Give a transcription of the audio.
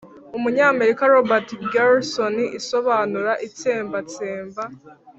umunyamerika Robert Gersony isobanura itsembatsemba